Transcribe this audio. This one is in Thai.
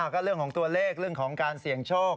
ก็เรื่องของตัวเลขเรื่องของการเสี่ยงโชค